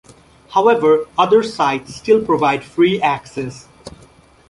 However, other sites still provide free access.